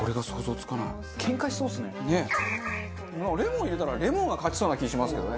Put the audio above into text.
なんかレモン入れたらレモンが勝ちそうな気しますけどね。